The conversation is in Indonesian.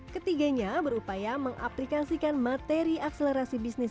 ketiganya berupaya mengaplikasikan materi akselerasi bisnis